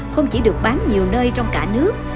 không chỉ được bán nhiều nơi trong cả nước